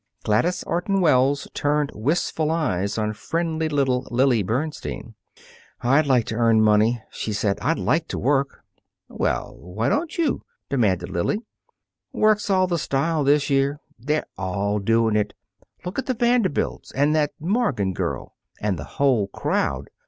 Gladys Orton Wells turned wistful eyes on friendly little Lily Bernstein. "I'd like to earn money," she said. "I'd like to work." "Well, why don't you?" demanded Lily. "Work's all the style this year. They're all doing it. Look at the Vanderbilts and that Morgan girl, and the whole crowd.